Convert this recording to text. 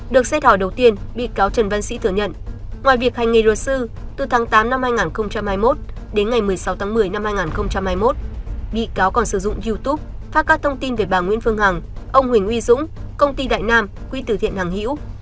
được xét hỏi đầu tiên bị cáo trần văn sĩ thừa nhận ngoài việc hành nghề luật sư từ tháng tám năm hai nghìn hai mươi một đến ngày một mươi sáu tháng một mươi năm hai nghìn hai mươi một bị cáo còn sử dụng youtube phát các thông tin về bà nguyễn phương hằng ông huỳnh uy dũng công ty đại nam quỹ tử thiện hằng hiễu